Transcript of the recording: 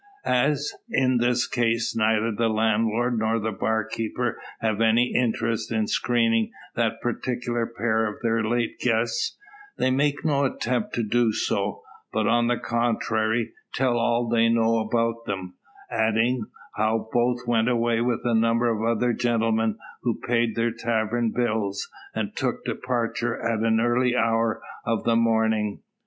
As, in this case, neither the landlord nor bar keeper have any interest in screening that particular pair of their late guests, they make no attempt to do so; but, on the contrary, tell all they know about them; adding, how both went away with a number of other gentlemen, who paid their tavern bills, and took departure at an early hour of the morning.